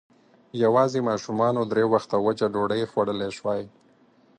يواځې ماشومانو درې وخته وچه ډوډۍ خوړلی شوای.